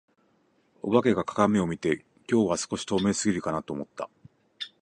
お化けが鏡を見て、「今日は少し透明過ぎるかな」と思った。